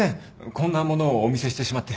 こんなものをお見せしてしまって。